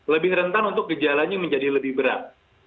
lebih rentan untuk gejalanya menjadi lebih berat